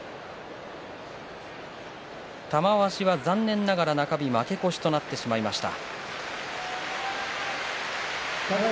玉鷲は残念ながら中日負け越しとなってしまいました。